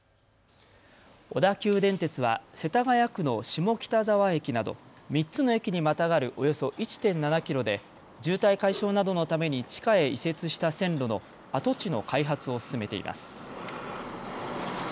小田急電鉄は世田谷区の下北沢駅など３つの駅にまたがるおよそ１．７キロで渋滞解消などのために地下へ移設した線路の跡地の開発を進めています。